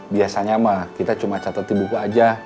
biasanya mah kita cuma catetin buku aja